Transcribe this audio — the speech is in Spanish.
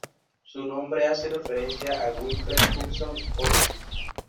Su nombre hace referencia a Wilfred Hudson Osgood.